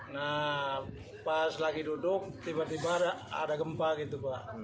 nah pas lagi duduk tiba tiba ada gempa gitu pak